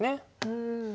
うん。